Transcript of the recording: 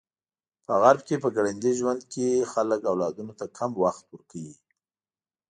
په غرب کې په ګړندي ژوند کې خلک اولادونو ته کم وخت ورکوي.